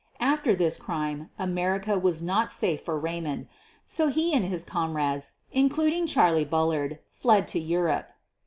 After this crime America was not safe for Raymond, so he, and his comrades, including Charley Bullard, fled to Europe.